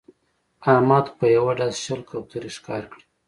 احمد په یوه ډز شل کوترې ښکار کړې